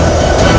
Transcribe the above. itu udah gila